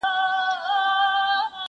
ما چي توبه وکړه اوس نا ځوانه راته و ویل,